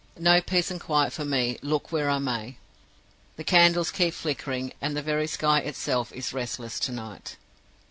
No peace and quiet for me, look where I may. The candle keeps flickering, and the very sky itself is restless to night.